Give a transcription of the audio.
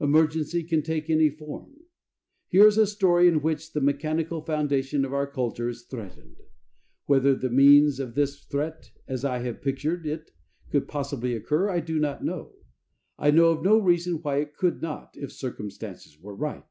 Emergency can take any form. Here is a story in which the mechanical foundation of our culture is threatened. Whether the means of this threat, as I have pictured it, could possibly occur, I do not know. I know of no reason why it could not, if circumstances were right.